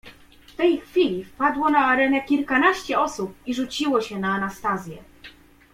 "W tej chwili wpadło na arenę kilkanaście osób i rzuciło się na Anastazję."